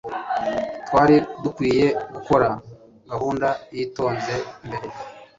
Twari dukwiye gukora gahunda yitonze mbere.